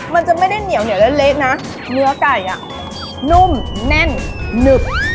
มันจะไม่ได้เหนียวเหนียวเล็กเล็กนะเนื้อไก่อ่ะนุ่มแน่นหนึบ